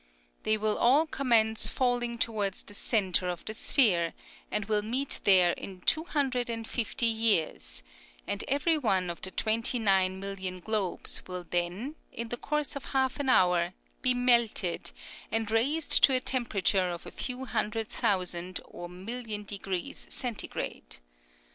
They will all commence falling towards the centre of the sphere, and will meet there in two hundred and fifty years, and every one of the twenty nine million globes will then, in the course of half an hour, be melted, and raised to a temperature of a few hundred thousand or million degrees centigrade.